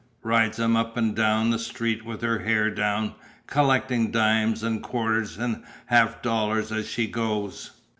Rides him up and down the street with her hair down, collecting dimes and quarters and half dollars as she goes."